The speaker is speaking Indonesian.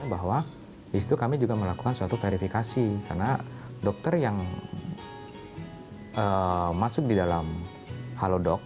bahwa di situ kami juga melakukan suatu verifikasi karena dokter yang masuk di dalam halodoc